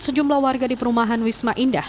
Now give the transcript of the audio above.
sejumlah warga di perumahan wisma indah